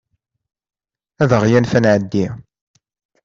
Ad aɣ-yanef ad nɛeddi.